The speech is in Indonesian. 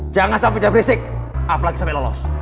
jangan sampe dia berisik apalagi sampe lolos